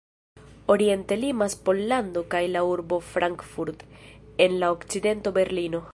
Oriente limas Pollando kaj la urbo Frankfurt, en la okcidento Berlino.